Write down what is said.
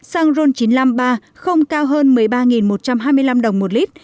xăng ron chín trăm năm mươi ba không cao hơn một mươi ba một trăm hai mươi năm đồng một lít